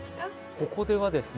ここではですね